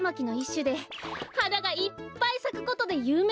しゅではながいっぱいさくことでゆうめいなんです。